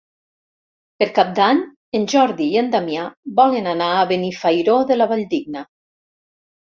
Per Cap d'Any en Jordi i en Damià volen anar a Benifairó de la Valldigna.